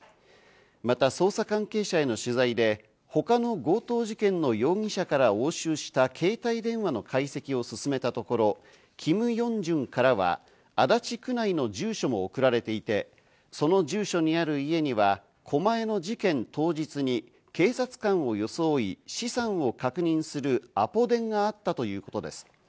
また捜査関係者への取材で、他の強盗事件の容疑者から押収した携帯電話の解析を進めたところ、キム・ヨンジュンからは足立区内の住所も送られていて、その住所にある家には狛江の事件当日に警察官を装い資産を確認するアポ電があったということです。